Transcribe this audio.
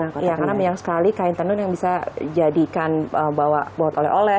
karena banyak sekali kain tenun yang bisa jadikan bawa bawa oleh oleh